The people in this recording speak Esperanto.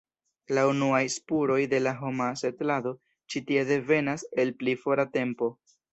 La unuaj spuroj de la homa setlado ĉi tie devenas el pli fora tempo.